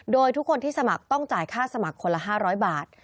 โดยทุกคนที่สมัครต้องจ่ายค่าสมัครคนละ๕๐๐บาท